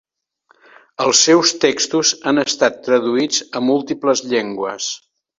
Els seus textos han estat traduïts a múltiples llengües.